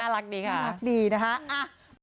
น่ารักดีค่ะ